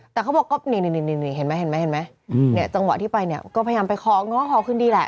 แต่เขาบอกนี่เห็นไหมจังหวะที่ไปเนี่ยก็พยายามไปของ้อขอคืนดีแหละ